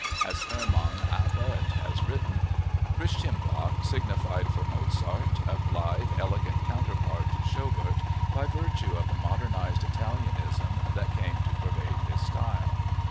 As Hermann Abert has written, "Christian Bach signified for Mozart a blithe, elegant counterpart to Schobert by virtue of the modernized Italianism that came to pervade his style."